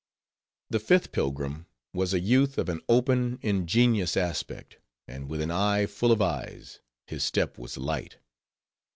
The fifth pilgrim was a youth of an open, ingenuous aspect; and with an eye, full of eyes; his step was light.